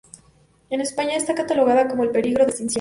En España esta catalogada como en peligro de extinción.